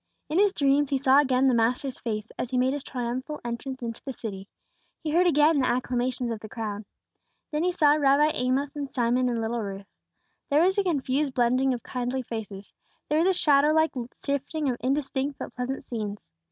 In his dreams he saw again the Master's face as He made His triumphal entrance into the city; he heard again the acclamations of the crowd. Then he saw Rabbi Amos and Simon and little Ruth. There was a confused blending of kindly faces; there was a shadow like shifting of indistinct but pleasant scenes.